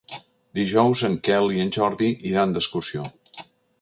Dijous en Quel i en Jordi iran d'excursió.